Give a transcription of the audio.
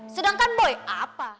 sedangkan boy apa